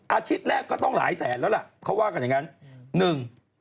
อาทิตย์แรกก็ต้องหลายแสนแล้วล่ะเขาว่ากันอย่างงั้นหนึ่ง